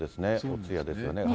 お通夜ですよね。